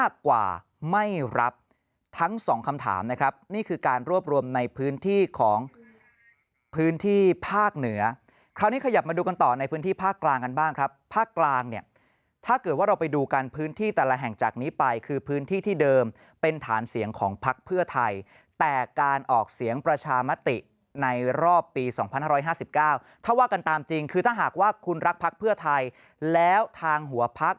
ไม่รับทั้งสองคำถามนะครับนี่คือการรวบรวมในพื้นที่ของพื้นที่ภาคเหนือคราวนี้ขยับมาดูกันต่อในพื้นที่ภาคกลางกันบ้างครับภาคกลางเนี่ยถ้าเกิดว่าเราไปดูกันพื้นที่แต่ละแห่งจากนี้ไปคือพื้นที่ที่เดิมเป็นฐานเสียงของพักเพื่อไทยแต่การออกเสียงประชามติในรอบปี๒๕๕๙ถ้าว่ากันตามจริงคือถ้าหากว่าคุณรักพักเพื่อไทยแล้วทางหัวพัก